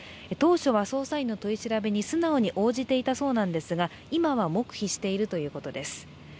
当初は捜査員の取り調べに素直に応じていたそうなんですが今は黙秘しているということです。